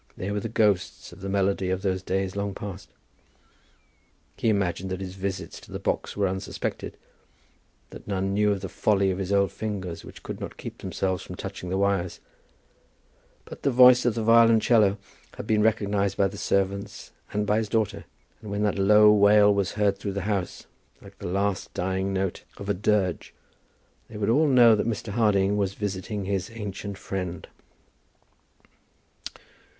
They were the ghosts of the melody of days long past. He imagined that his visits to the box were unsuspected, that none knew of the folly of his old fingers which could not keep themselves from touching the wires; but the voice of the violoncello had been recognized by the servants and by his daughter, and when that low wail was heard through the house, like the last dying note of a dirge, they would all know that Mr. Harding was visiting his ancient friend.